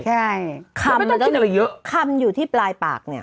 ไม่ต้องกินหรือเยอะเคลิมอยู่ที่ปลายปากเนี่ย